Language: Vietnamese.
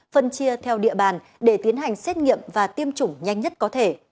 phân chia theo địa bàn để tiến hành xét nghiệm và tiêm chủng nhanh nhất có thể